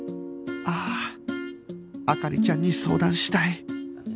ああ灯ちゃんに相談したい